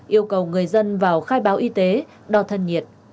yêu cầu người dân vào khai báo y tế đo thân nhiệt